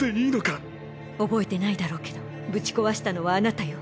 覚えてないだろうけどぶち壊したのはあなたよ。